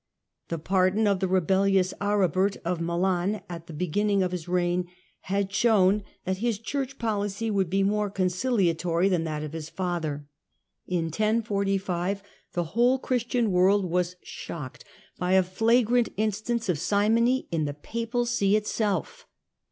The pardon of the rebellious Aribert of Milan at the beginning of his reign had shown that his Church policy would be more conciliatory than that of his father. In 1045 the whole Christian world was shocked by a flagrant instance of simony in the Papal See itself.